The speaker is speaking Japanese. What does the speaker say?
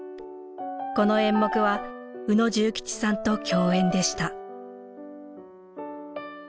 この演目は宇野重吉さんと共演でした。